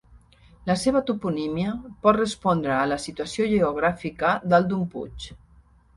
La seva toponímia pot respondre a la situació geogràfica dalt d'un puig.